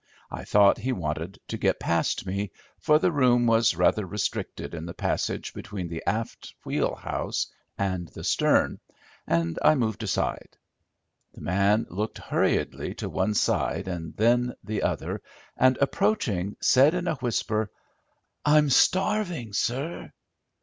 I thought he wanted to get past me, for the room was rather restricted in the passage between the aft wheelhouse and the stern, and I moved aside. The man looked hurriedly to one side and then the other and, approaching, said in a whisper, "I'm starving, sir!"